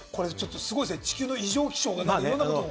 すごいですね、地球の異常気象がいろんなことを。